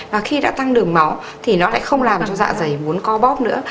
và khi đã tăng đường máu thì nó lại không làm cho dạ dày vốn co bóp nữa